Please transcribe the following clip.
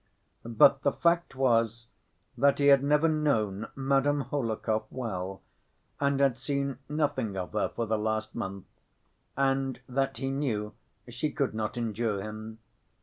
But the fact was that he had never known Madame Hohlakov well, and had seen nothing of her for the last month, and that he knew she could not endure him.